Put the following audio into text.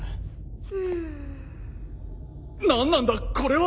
うん。何なんだこれは！？